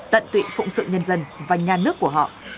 tận tụy phụng sự nhân dân và nhà nước của họ